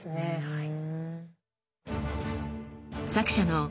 はい。